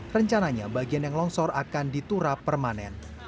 rencananya bagian yang longsor akan diturap permanen